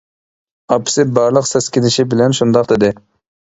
ئاپىسى بارلىق سەسكىنىشى بىلەن شۇنداق دېدى.